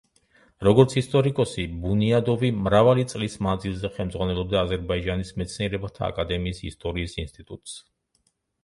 როგორც ისტორიკოსი, ბუნიადოვი მრავალი წლის მანძილზე ხელმძღვანელობდა აზერბაიჯანის მეცნიერებათა აკადემიის ისტორიის ინსტიტუტს.